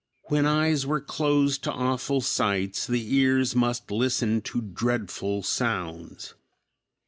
When eyes were closed to awful sights, the ears must listen to dreadful sounds.